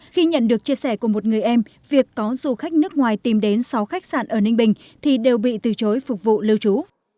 khi nhận được chia sẻ của một người em việc có du khách nước ngoài tìm đến sáu khách sạn ở ninh bình thì đều bị từ chối phục vụ lưu trú